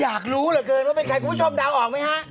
อยากรู้เหลือเกินว่าเป็นใครคุณผู้ชมเดาออกไหมฮะ